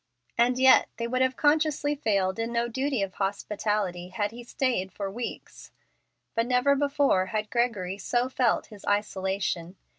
And yet they would have consciously failed in no duty of hospitality had he stayed for weeks. But never before had Gregory so felt his isolation.